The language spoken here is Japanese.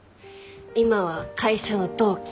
今は会社の同期。